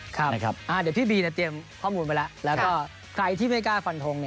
เดี๋ยวพี่บีเตรียมข้อมูลไปแล้วแล้วก็ใครที่ไม่กล้าฟันทง